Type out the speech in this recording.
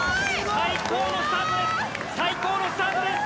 最高のスタートです！